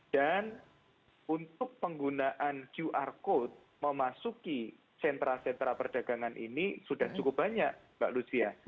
dan untuk penggunaan qr code memasuki sentra sentra perdagangan ini sudah cukup banyak mbak lucia